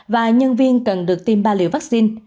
và nhân viên cần được tiêm ba liều vaccine